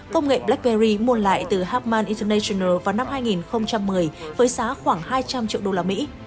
công nghệ blackberry muôn lại từ harman international vào năm hai nghìn một mươi với giá khoảng hai trăm linh triệu usd